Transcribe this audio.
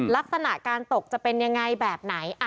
ลักษณะการตกจะเป็นยังไงแบบไหน